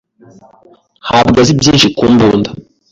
ntabwo azi byinshi ku mbunda.